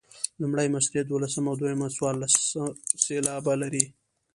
لومړۍ مصرع دولس او دویمه څوارلس سېلابونه لري.